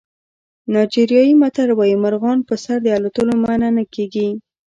نایجریایي متل وایي مرغان په سر د الوتلو منع نه کېږي.